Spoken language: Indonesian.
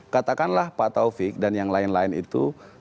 katakanlah pak taufik dan yang lain lain itu